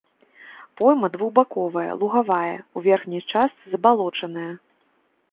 Пойма двухбаковая, лугавая, у верхняй частцы забалочаная.